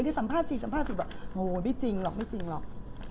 เมื่อที่สัมภาษณ์สิสัมภาษณ์สิบอกโหไม่จริงหรอกไม่จริงหรอก